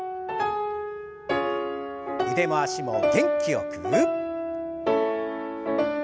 腕も脚も元気よく。